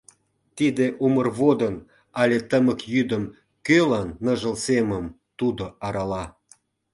Тиде умыр водын але тымык йӱдым Кӧлан ныжыл семым тудо арала?